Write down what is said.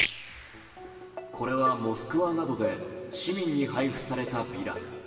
これはモスクワなどで市民に配布されたビラ。